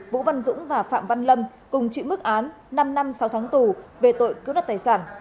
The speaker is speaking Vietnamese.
vũ văn dũng và phạm văn lâm cùng chịu mức án năm năm sáu tháng tù về tội cướp đặt tài sản